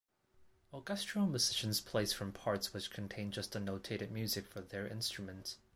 Orchestral musicians play from parts which contain just the notated music for their instrument.